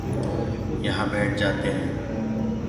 यहाँ बैठ जाते है।